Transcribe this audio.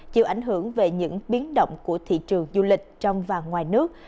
chịu ảnh hưởng về những biến động của thị trường du lịch trong và ngoài nước